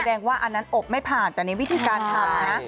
อันว่าอันนั้นอบไม่ผ่านแต่ในวิธีการทำนะ